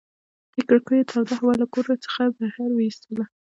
دې کړکیو توده هوا له کور څخه بهر ویستله.